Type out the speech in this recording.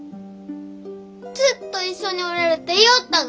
ずっと一緒におれるって言よおったが？